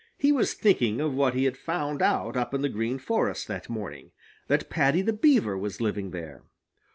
He was thinking of what he had found out up in the Green Forest that morning that Paddy the Beaver was living there.